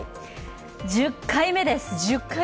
１０回目です。